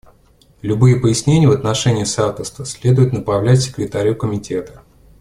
Любые пояснения в отношении соавторства следует направлять Секретарю Комитета.